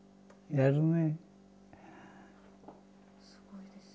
やるね。